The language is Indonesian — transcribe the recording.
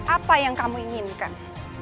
apa yang kamu inginkan